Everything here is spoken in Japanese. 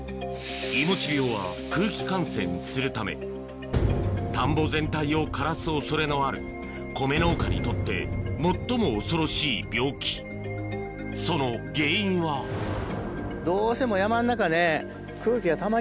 いもち病は空気感染するため田んぼ全体を枯らす恐れのある米農家にとって最も恐ろしい病気その原因はどうしても。